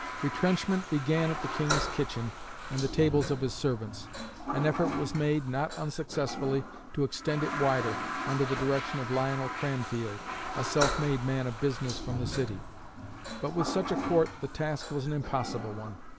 Retrenchment began at the King's kitchen and the tables of his servants; an effort was made, not unsuccessfully, to extend it wider, under the direction of Lionel Cranfield, a self made man of business from the city; but with such a Court the task was an impossible one.